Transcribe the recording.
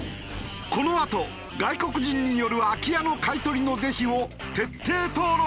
このあと外国人による空き家の買い取りの是非を徹底討論。